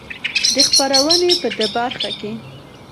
دې خپرونې په د برخه کې